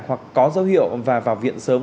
hoặc có dấu hiệu và vào viện sớm